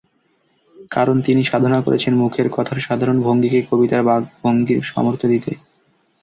কারণ, তিনি সাধনা করেছেন মুখের কথার সাধারণ ভঙ্গিকেই কবিতার বাকভঙ্গির সামর্থ্য দিতে।